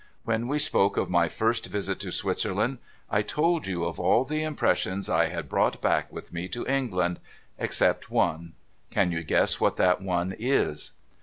When we spoke of my first visit to Switzerland, I told you of all the impressions I had brought back with me to England — except one. Can you guess what that one is